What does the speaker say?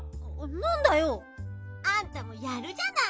なんだよ？あんたもやるじゃない！